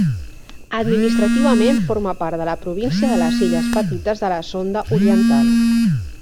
Administrativament, forma part de la província de les Illes Petites de la Sonda orientals.